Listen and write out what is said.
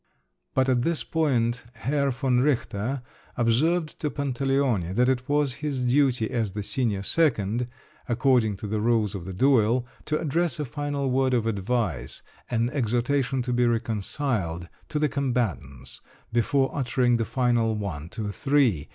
But at this point Herr von Richter observed to Pantaleone that it was his duty, as the senior second, according to the rules of the duel, to address a final word of advice and exhortation to be reconciled to the combatants, before uttering the fatal "one! two! three!"